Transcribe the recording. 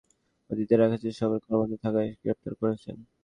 বেসামরিক প্রশাসনে নিকট অতীতেই একাধিক সচিব কর্মরত থাকার সময়েই গ্রেপ্তার হয়েছেন।